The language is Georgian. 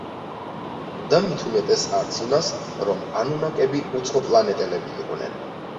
და მითუმეტეს არც იმას, რომ ანუნაკები უცხოპლანეტელები იყვნენ.